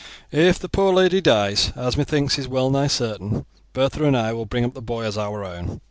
If the poor lady dies, as methinks is well nigh certain, Bertha and I will bring up the boy as our own.